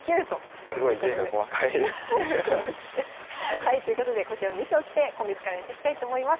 はいということでこちらの衣装を着て今月からやっていきたいと思います。